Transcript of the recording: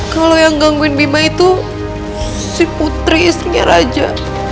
kalau yang gangguin bima itu si putri istrinya raja